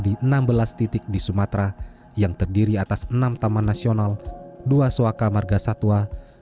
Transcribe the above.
di enam belas titik di sumatera yang terdiri atas enam taman nasional dua soaka marga satwa